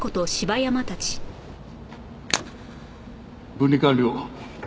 分離完了。